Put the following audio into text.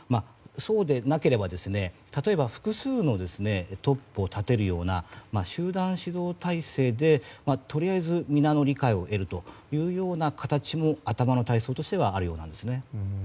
そうでなければ例えば複数のトップを立てるような集団指導体制でとりあえず皆の理解を得るという形も頭にはあるようなんですね。